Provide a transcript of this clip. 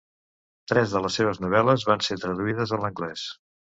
Tres de les seves novel·les van ser traduïdes a l'anglès.